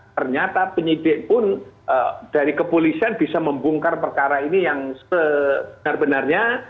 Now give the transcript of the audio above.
ternyata penyidik pun dari kepolisian bisa membongkar perkara ini yang sebenar benarnya